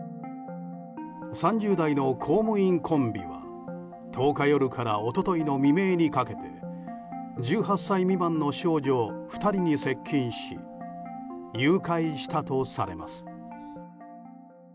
３０代の公務員コンビは１０日夜から一昨日の未明にかけて１８歳未満の少女２人に接近し誘拐したとされます。